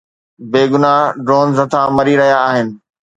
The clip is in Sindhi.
بيگناهه ڊرونز هٿان مري رهيا آهن.